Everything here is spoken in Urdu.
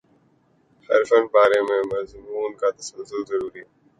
ہر فن پارے میں مضمون کا تسلسل ضروری ہے